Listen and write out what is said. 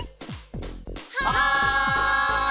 はい！